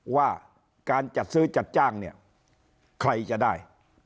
ว่าการจัดซื้อจัดจ้างเนี่ยใครจะได้